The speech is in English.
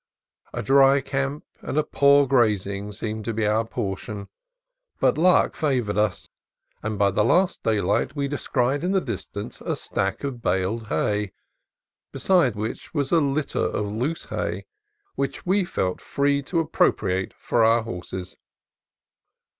A dry camp and poor graz ing seemed to be our portion: but luck favored us, and by the last daylight we descried in the distance a stack of baled hay, beside which was a litter of loose COYOTES AND SULPHUREOUS COFFEE 13 hay which we felt free to appropriate for our horses.